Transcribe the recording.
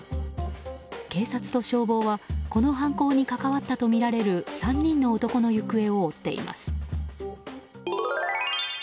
警察と消防はこの犯行に関わったとみられる３人の男の行方を追っています。